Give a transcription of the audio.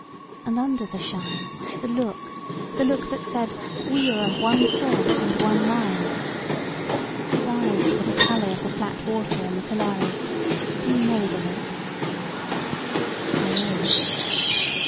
And tmder the shine the look — ^the look that said, *We are of one sort and one mind' — ^his eyes that were the color of the flat water in the toulares — do you know the look?'' "I know it."